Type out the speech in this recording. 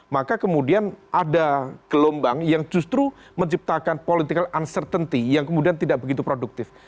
maka kemudian ada gelombang yang justru menciptakan political uncertainty yang kemudian tidak begitu produktif